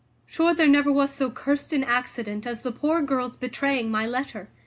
Sure there never was so cursed an accident as the poor girl's betraying my letter.